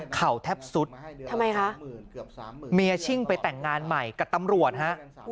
เข่าแทบสุดเมียชิ่งไปแต่งงานใหม่กับตำรวจฮะ